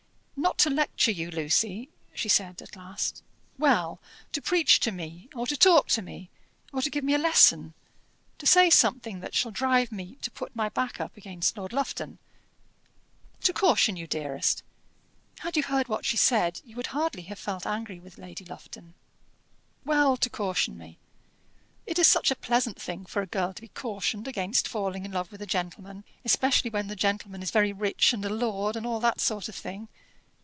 "Not to lecture you, Lucy," she said at last. "Well, to preach to me, or to talk to me, or to give me a lesson; to say something that shall drive me to put my back up against Lord Lufton?" "To caution you, dearest. Had you heard what she said, you would hardly have felt angry with Lady Lufton." "Well, to caution me. It is such a pleasant thing for a girl to be cautioned against falling in love with a gentleman, especially when the gentleman is very rich, and a lord, and all that sort of thing!"